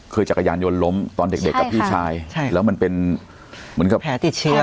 คือจักรยานยนต์ล้มตอนเด็กเด็กกับพี่ชายใช่แล้วมันเป็นเหมือนกับแผลติดเชื้อ